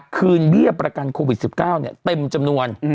เบี้ยประกันโควิด๑๙เต็มจำนวน